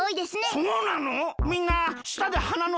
そうなの？